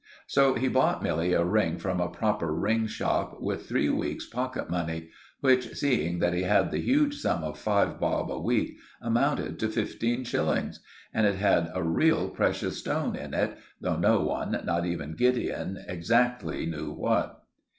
So he bought Milly a ring from a proper ring shop with three weeks' pocket money; which, seeing that he had the huge sum of five bob a week, amounted to fifteen shillings; and it had a real precious stone in it, though no one, not even Gideon, exactly knew what.